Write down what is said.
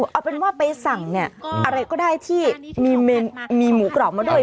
เอาเป็นว่าไปสั่งเนี่ยอะไรก็ได้ที่มีหมูกรอบมาด้วย